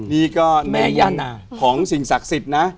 นี่ก็แม่ย่านางมาอยี่เร่งของสิ่งศักดิ์สิทธิ์นะ